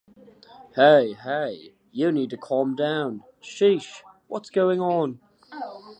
Hey, hey. You need to calm down! Sheesh, what's wrong?